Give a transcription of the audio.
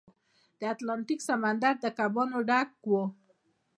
د اتلانتیک سمندر د کبانو ډک و.